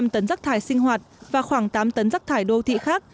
tám ba trăm linh tấn rác thải sinh hoạt và khoảng tám tấn rác thải đô thị khác